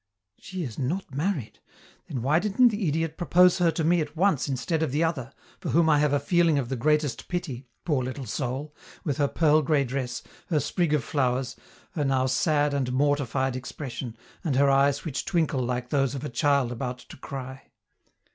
She is not married! Then why didn't the idiot propose her to me at once instead of the other, for whom I have a feeling of the greatest pity, poor little soul, with her pearl gray dress, her sprig of flowers, her now sad and mortified expression, and her eyes which twinkle like those of a child about to cry.